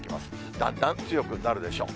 だんだん強くなるでしょう。